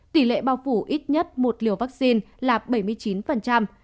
tỷ lệ bao phủ ít nhất một liều vaccine là bảy mươi chín